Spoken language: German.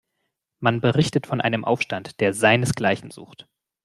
Man berichtet von einem Aufstand, der seinesgleichen sucht.